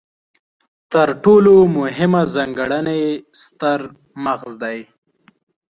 تر ټولو مهمه ځانګړنه یې ستر مغز دی.